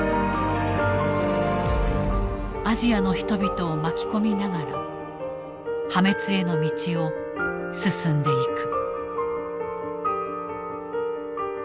アジアの人々を巻き込みながら破滅への道を進んでいく。